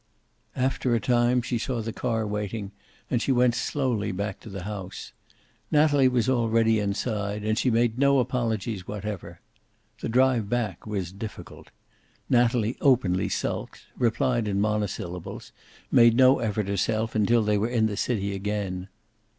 After a time she saw the car waiting, and she went slowly back to the house. Natalie was already inside, and she made no apologies whatever. The drive back was difficult. Natalie openly sulked, replied in monosyllables, made no effort herself until they were in the city again.